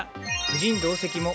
夫人同席も。